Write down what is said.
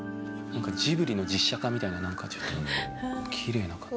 ジブリの実写化みたいななんかちょっときれいな感じ。